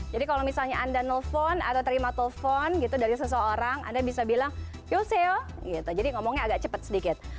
jadi kalau misalnya anda nelfon atau terima telpon gitu dari seseorang anda bisa bilang yobaseyo gitu jadi ngomongnya agak cepat sedikit